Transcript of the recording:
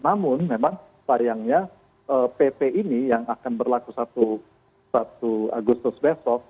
namun memang sayangnya pp ini yang akan berlaku satu agustus besok